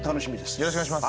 よろしくお願いします。